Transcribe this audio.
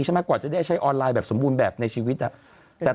กว่าจะได้ใช้ออนไลน์แบบสมบูรณ์แบบในชีวิตอ่ะแต่